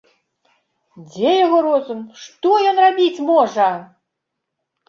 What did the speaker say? Дзе яго розум, што ён рабіць можа?